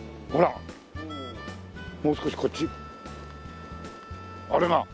もう少しこっちあれが。